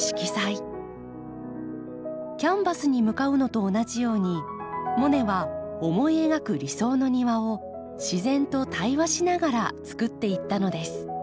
キャンバスに向かうのと同じようにモネは思い描く理想の庭を自然と対話しながらつくっていったのです。